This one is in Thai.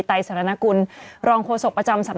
ไตรสรณกุลรองโฆษกประจำ